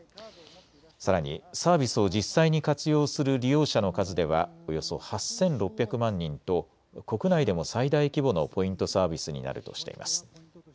さらにサービスを実際に活用する利用者の数ではおよそ８６００万人と国内でも最大規模のポイントサービスになるとしています。